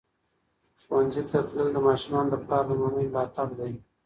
ښوونځي ته تلل د ماشومانو د پلار لومړنی ملاتړ دی.